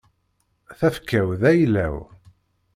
Tafekka-w d ayla-w.